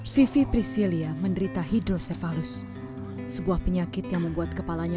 vivi priscilia menderita hidrosefalus sebuah penyakit yang membuat kepalanya